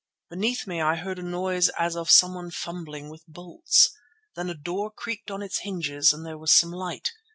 Beneath me I heard a noise as of someone fumbling with bolts. Then a door creaked on its hinges and there was some light.